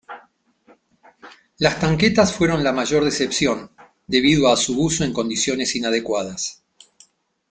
Las tanquetas fueron la mayor decepción debido a su uso en condiciones inadecuadas.